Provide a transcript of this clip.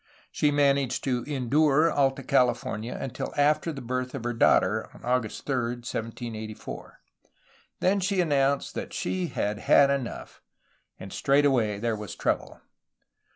She managed to ^^ endure " Alta California until after the birth of her daughter (August 3, 1784). Then she announced that she had had enough. And straightway there was trouble.